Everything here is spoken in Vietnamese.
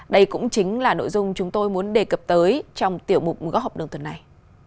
đây cũng chính là nội dung chúng tôi muốn đề cập tới trong tiểu mục góc học đường tuần này